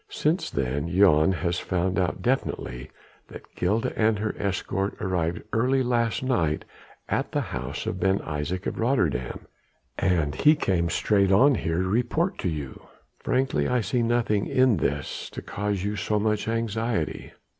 Since then Jan has found out definitely that Gilda and her escort arrived early last night at the house of Ben Isaje of Rotterdam, and he came straight on here to report to you. Frankly I see nothing in all this to cause you so much anxiety."